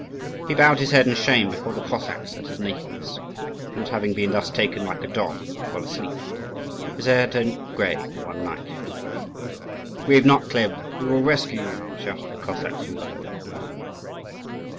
He bowed his head in shame before the Cossacks at his nakedness, and at having been thus taken like a dog, while asleep. His hair had turned grey in one night. "Grieve not, Khlib: we will rescue you," shouted the Cossacks from below.